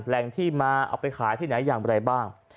แหล่งที่มาเอาไปขายที่ไหนอย่างไรบ้าง